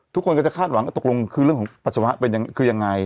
ทุกคนก็จะคาดหวังว่าตกลงคือเรื่องของปัสสาวะเป็นยังไงคือยังไง